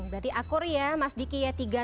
berarti akur ya mas diki ya tiga